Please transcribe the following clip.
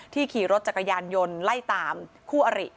ขี่รถจักรยานยนต์ไล่ตามคู่อริ